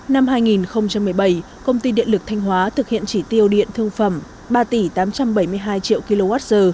năm hai nghìn một mươi bảy công ty điện lực thanh hóa thực hiện chỉ tiêu điện thương phẩm ba tám trăm bảy mươi hai triệu kwh